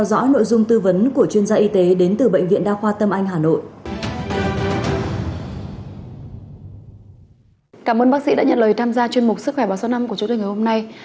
cảm ơn bác sĩ đã nhận lời tham gia chuyên mục sức khỏe ba trăm sáu mươi năm của chủ tịch ngày hôm nay